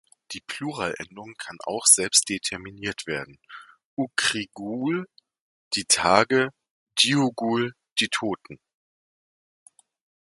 Die Pluralendung kann auch selbst determiniert werden: "ukr-i-gu-l" "die Tage", "dio-l-gu-l" "die Toten".